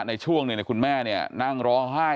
ในช่วงหนึ่งคุณแม่นั่งร้องไห้